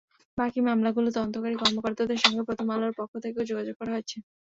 বাকি মামলাগুলোর তদন্তকারী কর্মকর্তাদের সঙ্গে প্রথম আলোর পক্ষ থেকে যোগাযোগ করা হয়েছে।